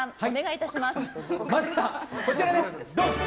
まずは、こちらです。